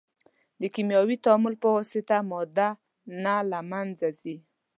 د کیمیاوي تعامل په واسطه ماده نه له منځه ځي.